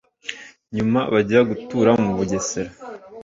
nyuma bajya gutura mu Bugesera